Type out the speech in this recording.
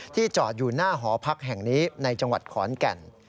จอดอยู่หน้าหอพักแห่งนี้ในจังหวัดขอนแก่น